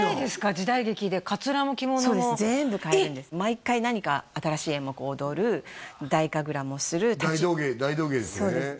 時代劇でかつらも着物もそうです全部替えるんです毎回何か新しい演目踊る太神楽もする大道芸大道芸ですよね